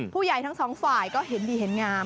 ผู้ใหญ่ทั้งสองฝ่ายก็เห็นดีเห็นงาม